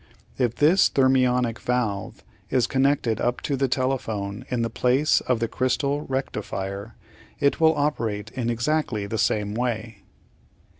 If this thermionic valve is connected up to the telephone in the place of the crystal rectifier, it will operate in exactly the same way.